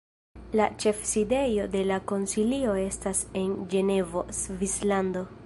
La ĉefsidejo de la Konsilio estas en Ĝenevo, Svislando.